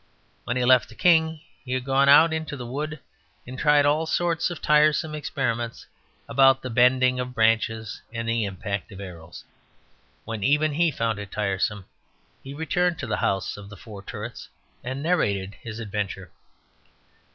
When he left the king he had gone out into the wood and tried all sorts of tiresome experiments about the bending of branches and the impact of arrows; when even he found it tiresome he returned to the house of the four turrets and narrated his adventure.